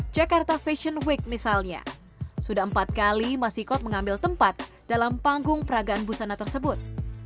jakarta fashion week misalnya sudah empat kali masikot mengambil tempat dalam panggung peragaan busana tersebut